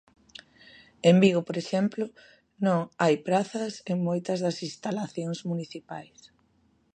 En Vigo, por exemplo, non hai prazas en moitas das instalacións municipais.